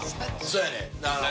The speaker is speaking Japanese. そうやねん。